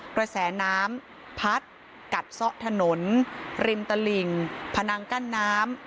กระแสน้ำพัดกัดซะถนนริมตลิ่งพนังกั้นน้ำ